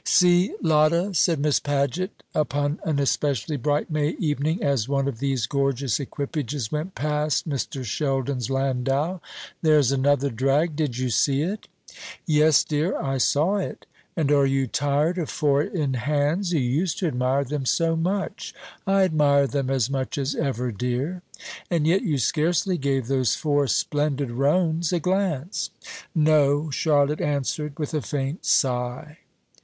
"See, Lotta," said Miss Paget, upon an especially bright May evening, as one of these gorgeous equipages went past Mr. Sheldon's landau, "there's another drag. Did you see it?" "Yes, dear, I saw it." "And are you tired of four in hands? You used to admire them so much." "I admire them as much as ever, dear." "And yet you scarcely gave those four splendid roans a glance." "No," Charlotte answered, with a faint sigh.